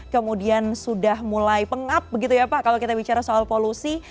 kemudian sudah mulai pengap begitu ya pak kalau kita bicara soal polusi